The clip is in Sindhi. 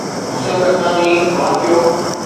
حسين حقاني واقعو